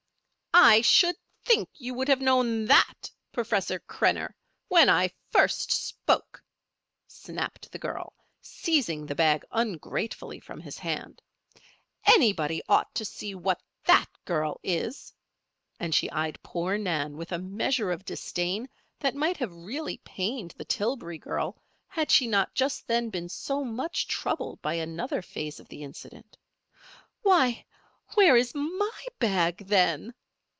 "I should think you would have known that, Professor Krenner, when I first spoke," snapped the girl, seizing the bag ungratefully from his hand. "Anybody ought to see what that girl is!" and she eyed poor Nan with a measure of disdain that might have really pained the Tillbury girl had she not just then been so much troubled by another phase of the incident. "Why! where where is my bag, then?"